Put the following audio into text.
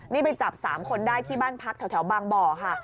นี่ไปจับ๓คนได้ที่บ้านพักแถวบางบ่อค่ะ